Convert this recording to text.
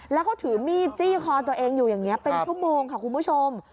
แล้วก็ถือมีดจี้คอตัวเองอยู่อย่างนี้เป็นชั่วโมงค่ะคุณผู้ชม